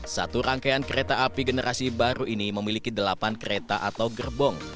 satu rangkaian kereta api generasi baru ini memiliki delapan kereta atau gerbong